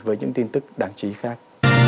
với những tin tức đáng chí khác